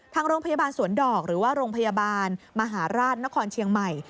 ทางโรงพยาบาลสวนดอกหรือว่าโรงพยาบาลมหาราชนครเชียงใหม่